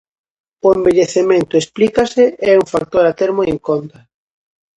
O envellecemento, explícase, é un factor a ter moi en conta.